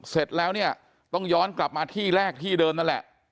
เสร็จแล้วเนี่ยต้องย้อนกลับมาที่แรกที่เดิมนั่นแหละ